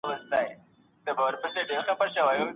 خپل ځان وبښئ ترڅو ارام سئ.